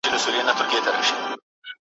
سفر دی بدل سوی، منزلونه نا اشنا دي